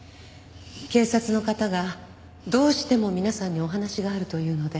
警察の方がどうしても皆さんにお話があるというので。